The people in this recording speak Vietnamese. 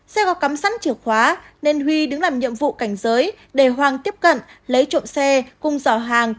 xe có cắm sẵn chìa khóa nên huy đứng làm nhiệm vụ cảnh giới để hoàng tiếp cận lấy trộm xe cung giỏ hàng